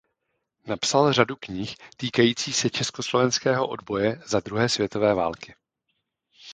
Napsal řadu knih týkajících se československého odboje za druhé světové války.